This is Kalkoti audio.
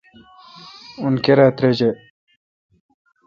اُن کیرا تریجہ۔